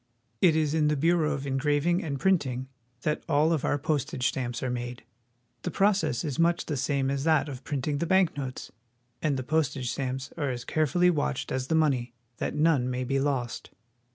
It is in the Bureau of Engraving and Printing that all of our postage stamps are made. The process is much the same as that of printing the bank notes, and the postage stamps are as carefully watched as the money, that none may be lost.